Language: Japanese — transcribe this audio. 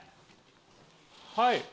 はい。